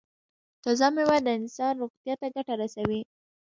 تازه میوه د انسان روغتیا ته ګټه رسوي.